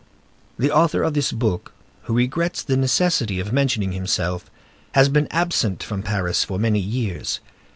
The author of this book, who regrets the necessity of mentioning himself, has been absent from Paris for many years.